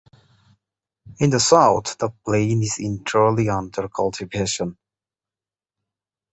In the south the plain is entirely under cultivation.